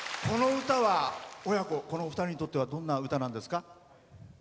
この歌は親子、この２人にとってはどんな歌なんですか？